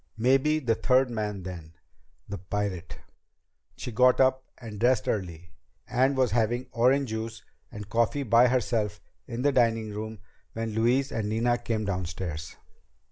Maybe the third man then the pirate ! She got up and dressed early, and was having orange juice and coffee by herself in the dining room when Louise and Nina came downstairs.